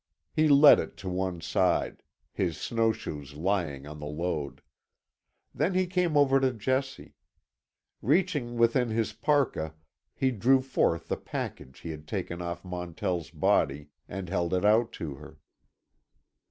He led it to one side; his snowshoes lying on the load. Then he came over to Jessie. Reaching within his parka he drew forth the package he had taken off Montell's body, and held it out to her.